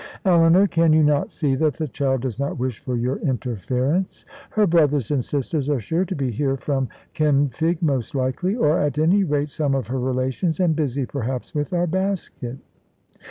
"Eleanor, can you not see that the child does not wish for your interference? Her brothers and sisters are sure to be here from Kenfig most likely, or at any rate some of her relations, and busy perhaps with our basket."